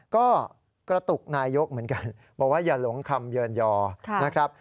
ก็กระตุกนายกเหมือนกันบอกว่าอย่าหลงคำเยินยอนะครับ